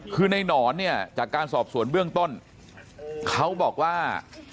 คือในหนอนเนี่ยจากการสอบสวนเบื้องต้นเขาบอกว่า